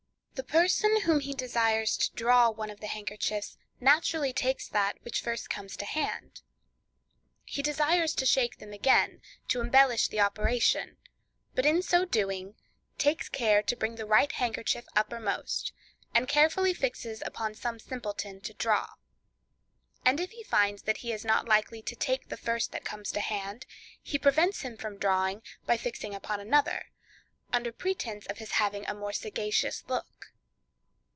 The person whom he desires to draw one of the handkerchiefs, naturally takes that which comes first to hand. He desires to shake them again, to embellish the operation, but in so doing, takes care to bring the right handkerchief uppermost, and carefully fixes upon some simpleton to draw; and if he find that he is not likely to take the first that comes to hand, he prevents him from drawing by fixing upon another, under pretence of his having a more sagacious look.